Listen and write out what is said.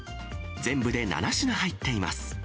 全部で７品入っています。